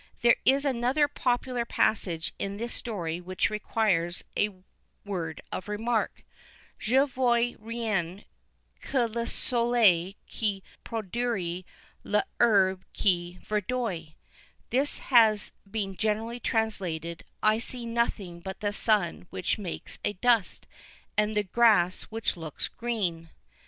There is another popular passage in this story which requires a word of remark: "Je ne vois rien que le soleil qui poudroie et l'herbe qui verdoie." This has been generally translated, "I see nothing but the sun which makes a dust, and the grass which looks green."